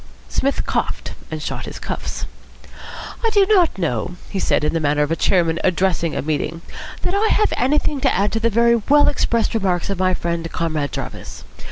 Psmith coughed, and shot his cuffs. "I do not know," he said, in the manner of a chairman addressing a meeting, "that I have anything to add to the very well expressed remarks of my friend, Comrade Jarvis.